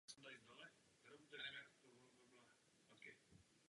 Všichni, kdo cestují, znají význam těchto projektů.